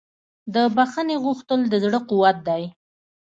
د بښنې غوښتل د زړه قوت دی.